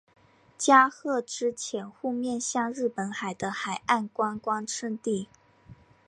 加贺之潜户面向日本海的海岸观光胜地。